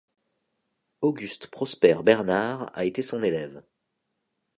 Auguste-Prosper Bernard a été son élève.